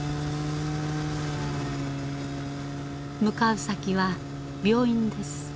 向かう先は病院です。